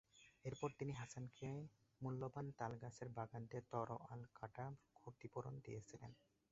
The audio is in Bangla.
এরপরে তিনি হাসানকে মূল্যবান তাল গাছের বাগান দিয়ে তরোয়াল কাটা ক্ষতিপূরণ দিয়েছিলেন।